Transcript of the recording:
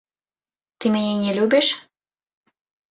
Ты мяне не любіш?